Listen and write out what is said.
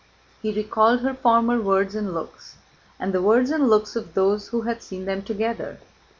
He recalled her former words and looks and the words and looks of those who had seen them together.